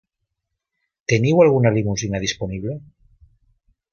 Teniu alguna limusina disponible?